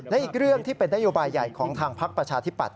และอีกเรื่องที่เป็นนโยบายใหญ่ของทางพักประชาธิปัตย